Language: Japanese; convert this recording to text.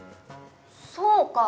そうか。